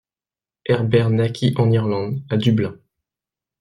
Herbert naquit en Irlande à Dublin.